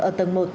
ở tầng một